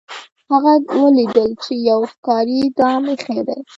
هغه ولیدل چې یو ښکاري دام ایښی دی.